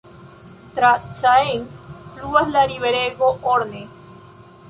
Tra Caen fluas la riverego Orne.